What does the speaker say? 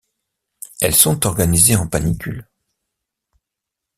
Elles sont organisées en panicule.